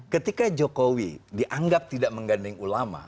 ketika jokowi dianggap tidak menggandeng ulama